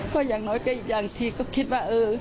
ก็อย่างน้อยก็อีกอย่างทีก็คิดว่าเออ